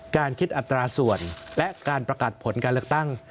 การคิดอัตราส่วนและการประกาศผลการเลือกตั้ง